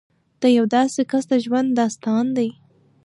د یو داسې کس د ژوند داستان دی